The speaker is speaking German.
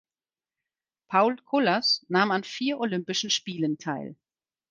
Paul Colas nahm an vier Olympischen Spielen teil.